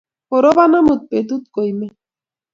Korobon amut betut koimen